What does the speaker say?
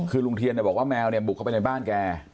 คือลุงเทียนบอกว่าแมวเนี่ยบุกเข้าไปในบ้านแก